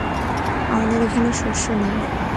আমাদের এখানে শস্য নেই।